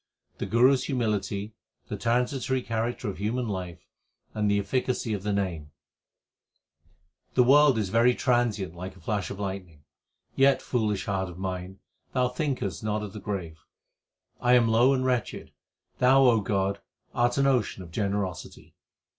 1 The Guru s humility, the transitory character of human life, and the efficacy of the Name : The world is very transient like a flash of lightning ; Yet, foolish heart of mine, thou thinkest not of the grave. I am low and wretched; Thou, O God, art an ocean of generosity.